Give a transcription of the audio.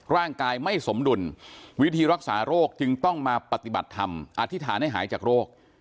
ร่างกายไม่สมดุลวิธีรักษาโรคจึงต้องมาปฏิบัติธรรมอธิษฐานให้หายจากโรค